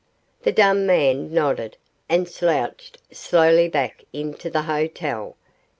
The dumb man nodded and slouched slowly back into the hotel.